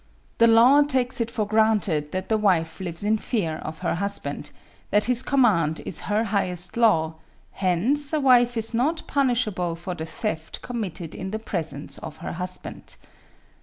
The law takes it for granted that the wife lives in fear of her husband; that his command is her highest law; hence a wife is not punishable for the theft committed in the presence of her husband.